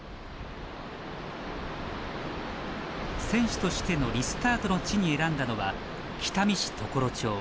選手としてのリスタートの地に選んだのは北見市常呂町。